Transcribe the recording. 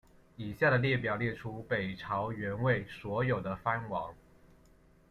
以下的列表列出北朝元魏所有的藩王。